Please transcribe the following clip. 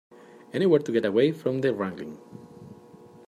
Anywhere to get away from that wrangling.